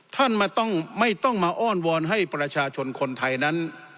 ท่านไม่ต้องมาอ้อนวอนให้ประชาชนคนไทยนั้น